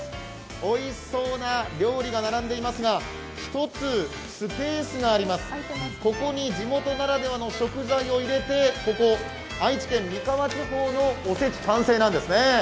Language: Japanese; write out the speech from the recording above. おいしそうな料理が並んでいますが１つスペースがあります、ここに地元ならではの食材を入れて、ここ愛知県三河地方のおせち完成なんですね。